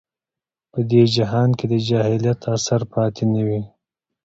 په دې جهان کې د جاهلیت اثر پاتې نه وي.